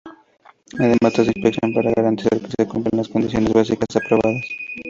Además, hace inspección para garantizar que se cumplan las condiciones básicas aprobadas.